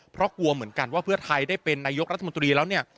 เพราะกลัวเหมือนกันว่าเพื่อไทยได้เป็นนายกรัฐมนตรีแล้วเนี่ย